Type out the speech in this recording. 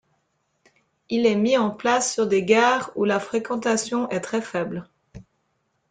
Il est mis en place sur des gares où la fréquentation est très faible.